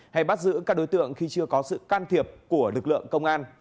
hay bắt giữ các đối tượng khi chưa có sự can thiệp của lực lượng công an